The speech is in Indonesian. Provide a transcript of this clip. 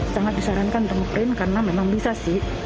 sama tidak pisangporte ingatan mengenal caleb